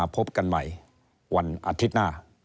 พบกันใหม่วันอาทิตย์หน้า